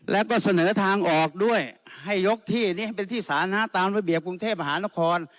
แล้วก็เสนอทางออกด้วยให้ยกที่นี้ให้เป็นที่สาธารณะตามระเบียบกรุงเทพมหานคร